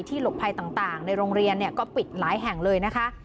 หลบภัยต่างในโรงเรียนก็ปิดหลายแห่งเลยนะคะ